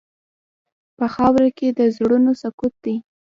په خاوره کې د زړونو سکوت دی.